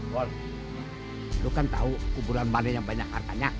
bol lu kan tau kuburan mana yang banyak hartanya